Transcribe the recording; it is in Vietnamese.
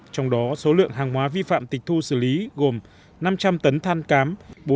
trong đó số lượng hàng hóa vi phạm tịch thu xử lý gồm năm trăm linh tấn than cám